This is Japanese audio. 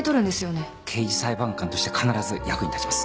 刑事裁判官として必ず役に立ちます。